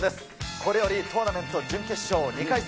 これよりトーナメント準決勝２回戦。